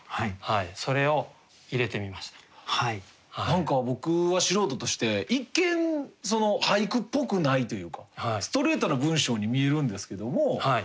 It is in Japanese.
何か僕は素人として一見俳句っぽくないというかストレートな文章に見えるんですけどもこういう形もあるんですね。